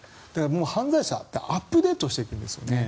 犯罪者ってアップデートしていくんですよね。